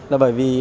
là bởi vì